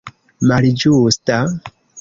malĝusta